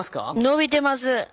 伸びてます。